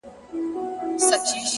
زه خو د وخت د بـلاگـانـــو اشـنا،